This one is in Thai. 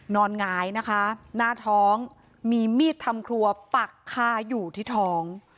หงายนะคะหน้าท้องมีมีดทำครัวปักคาอยู่ที่ท้อง